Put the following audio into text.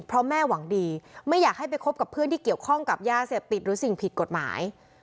เพราะแม่หวังดีไม่อยากให้ไปคบกับเพื่อนที่เกี่ยวข้องกับยาเสพติดหรือสิ่งผิดกฎหมาย